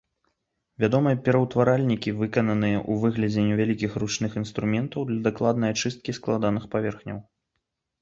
Вядомыя пераўтваральнікі, выкананыя ў выглядзе невялікіх ручных інструментаў для дакладнай ачысткі складаных паверхняў.